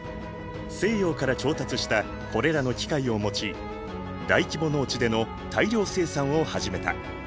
西洋から調達したこれらの機械を用い大規模農地での大量生産を始めた。